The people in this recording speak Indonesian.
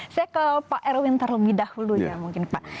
saya ke pak erwin terlebih dahulu ya mungkin pak